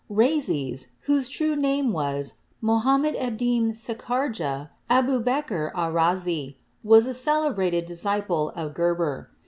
Rhazes, whose true name was Mohammed Ebn Sechar jah Aboubekr Arrasi, was a celebrated disciple of Geber.